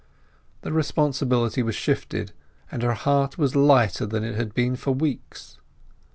The responsibility was shifted, and her heart was lighter than it had been for weeks.